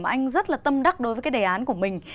mà anh rất là tâm đắc đối với cái đề án của mình